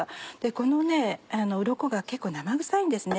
このうろこが結構生臭いんですね。